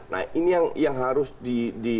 nah ini yang harus di